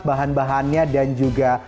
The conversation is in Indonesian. bahan bahannya dan juga